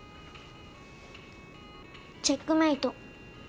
チェックメイト。